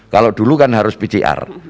kalau dulu kan harus pcr